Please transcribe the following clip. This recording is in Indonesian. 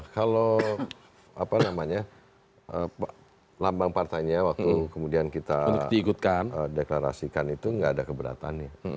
kalau apa namanya lambang partainya waktu kemudian kita deklarasikan itu gak ada keberatan ya